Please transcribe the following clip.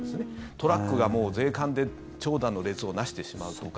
トラックが税関で長蛇の列を成してしまうとか。